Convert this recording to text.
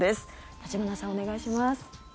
橘さん、お願いします。